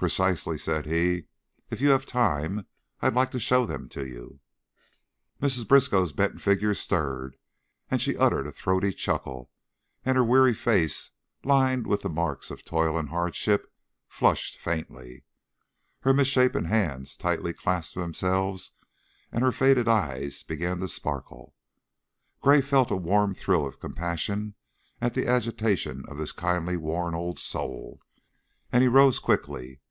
"Precisely," said he. "If you have time I'd like to show them to you." Mrs. Briskow's bent figure stirred, she uttered a throaty chuckle, and her weary face, lined with the marks of toil and hardship, flushed faintly. Her misshapen hands tightly clasped themselves and her faded eyes began to sparkle. Gray felt a warm thrill of compassion at the agitation of this kindly, worn old soul, and he rose quickly.